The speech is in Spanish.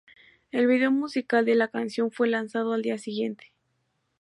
El vídeo musical de la canción fue lanzado al día siguiente.